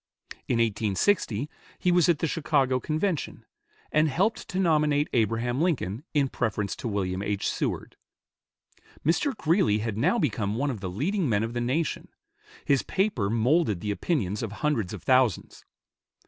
In 1860 he was at the Chicago Convention, and helped to nominate Abraham Lincoln in preference to William H. Seward. Mr. Greeley had now become one of the leading men of the nation. His paper molded the opinions of hundreds of thousands.